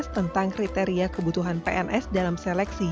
tentang kriteria kebutuhan pns dalam seleksi